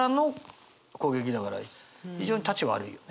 非常にタチ悪いよね。